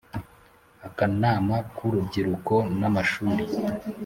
Akanama k urubyiruko n amashuri